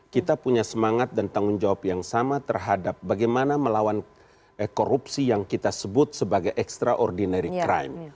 kita punya semangat dan tanggung jawab yang sama terhadap bagaimana melawan korupsi yang kita sebut sebagai extraordinary crime